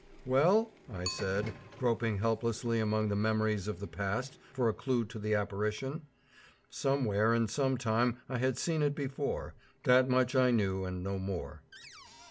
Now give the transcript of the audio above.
"Well?" I said, groping helplessly among the memories of the past for a clew to the apparition. Somewhere and sometime I had seen it before; that much I knew and no more.